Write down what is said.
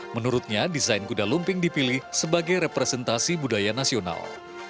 menurutnya desain kuda lumping dipilih sebagai representasi budaya nasional